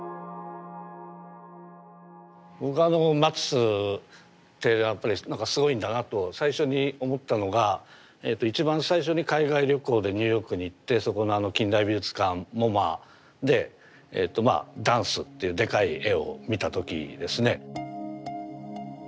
僕はあのマティスってやっぱりすごいんだなと最初に思ったのが一番最初に海外旅行でニューヨークに行ってそこの近代美術館ＭｏＭＡで「ダンス」っていうでかい絵を見た時ですね。